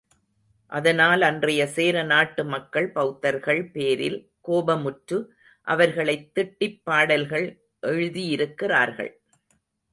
அதனால் அன்றைய சேர நாட்டு மக்கள் பௌத்தர்கள் பேரில் கோபமுற்று அவர்களைத் திட்டிப் பாடல்கள் எழுதியிருக்கிறார்கள்.